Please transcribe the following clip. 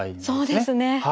そうですね。